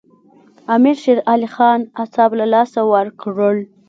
امیر شېر علي خان اعصاب له لاسه ورکړل.